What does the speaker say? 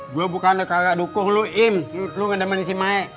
gua bukan gak dukung lu im lu ngedemenin si maya